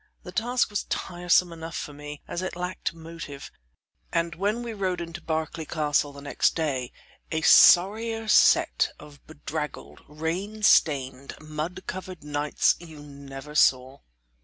The task was tiresome enough for me, as it lacked motive; and when we rode into Berkeley Castle next day, a sorrier set of bedraggled, rain stained, mud covered knights you never saw.